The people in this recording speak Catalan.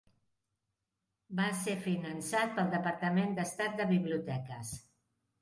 Va ser finançat pel Departament d'Estat de Biblioteques.